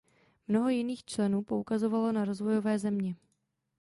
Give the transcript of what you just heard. Mnoho jiných členů poukazovalo na rozvojové země.